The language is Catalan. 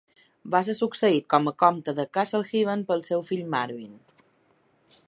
Va ser succeït com a comte de Castlehaven pel seu fill, Mervyn.